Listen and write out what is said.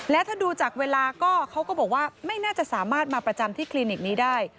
และถ้าดูจากเวลาก็เขาก็บอกว่าไม่น่าจะสามารถมาประจำที่คลินิกนี้ได้